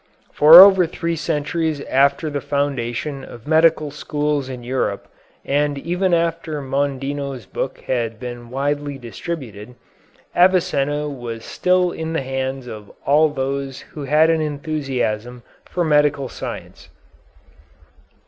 For over three centuries after the foundation of medical schools in Europe (and even after Mondino's book had been widely distributed), Avicenna was still in the hands of all those who had an enthusiasm for medical science.